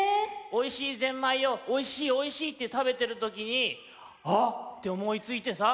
おいしいぜんまいを「おいしいおいしい」って食べてるときにあ！っておもいついてさ。